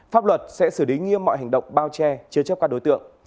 pháp luật sẽ xử lý nghiêm mọi hành động bao che chế chấp các đối tượng